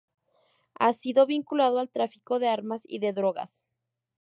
Ha sido vinculado al tráfico de armas y de drogas.